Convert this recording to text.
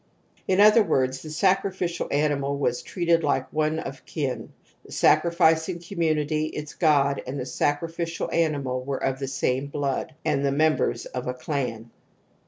In oth» words : the sacrificial animal was treated like one of kin ; the sacrificing community ^ its god, and the sacri ficial animal were of the same bloody and the members of a clan.